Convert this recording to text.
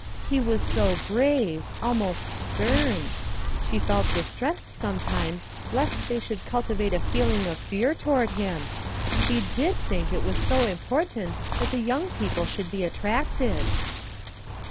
He was so grave almost stern. She felt distressed sometimes lest they should cultivate a feeling of fear toward him. She did think it was so important that the young people should be attracted."